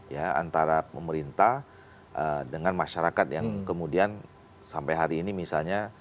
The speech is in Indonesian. ya antara pemerintah dengan masyarakat yang kemudian sampai hari ini misalnya